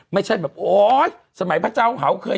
ไม่ใช่แบบโอ๊ยสมัยพระเจ้าเห่าเคย